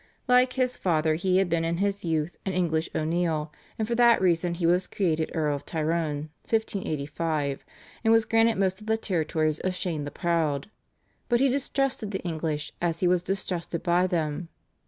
Like his father he had been in his youth an English O'Neill, and for that reason he was created Earl of Tyrone (1585), and was granted most of the territories of Shane the Proud. But he distrusted the English, as he was distrusted by them.